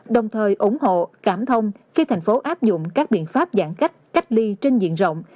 đồng thời ủng hộ cảm thông khi thành phố áp dụng các biện pháp giãn cách cách ly trên diện rộng